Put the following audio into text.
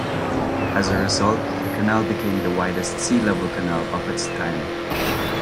As a result, the canal became the widest sea level canal of its time.